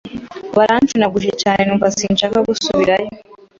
baranshunaguza cyane numva sinshaka gusubirayo